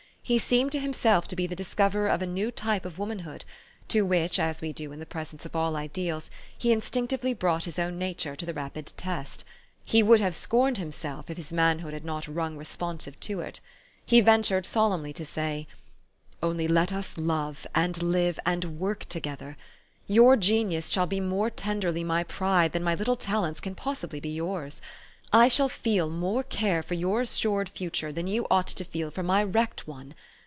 He seemed to himself to be the discoverer of a new type of womanhood, to which, as we do in the presence of all ideals, he instinctively brought his own nature to the rapid test : he would have scorned himself if his manhood had not rung respon sive to it. He ventured solemnly to say, " Only let us love, and live, and work together. Your genius shall be more tenderly my pride than my little talents can possibly be yours. I shall feel more care for your assured future than you ought to feel for my wrecked one.